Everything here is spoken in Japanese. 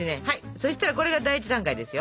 そしたらこれが第１段階ですよ！